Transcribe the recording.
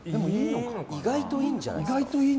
意外といいんじゃないですか？